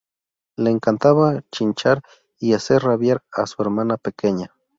Le encantaba chinchar y hacer rabiar a su hermana pequeña